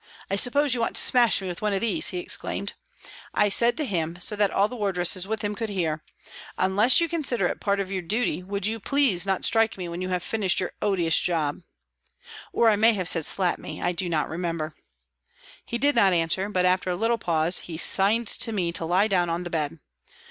" I suppose you want to smash me with one of these ?" he exclaimed. I said to him, so that all the wardresses with him could hear, " Unless you consider it part of your duty, would you please not strike me when you have finished your odious job " (or I may have said " slap me," I do not remember). He did not answer, but, after a little pause, he signed to me to lie down on the bed.